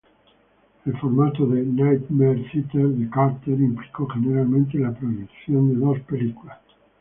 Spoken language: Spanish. El formato de "Nightmare Theater" de Carter implicó generalmente la proyección de dos películas.